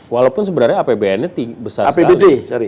walaupun sebenarnya apbn nya besar sekali